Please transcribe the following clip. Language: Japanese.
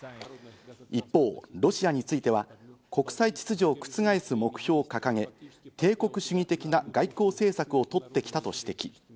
一方、ロシアについては、国際秩序を覆す目標を掲げ、帝国主義的な外交政策をとってきたと指摘。